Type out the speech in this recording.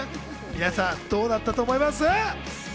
皆さん、どうだったと思います？